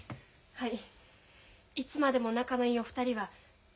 はい。